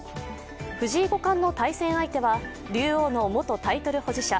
藤井五冠の対戦相手は竜王の元タイトル保持者